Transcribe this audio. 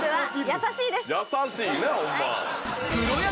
優しいなホンマ。